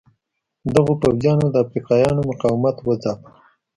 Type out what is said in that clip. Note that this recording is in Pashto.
دغو پوځیانو د افریقایانو مقاومت وځاپه.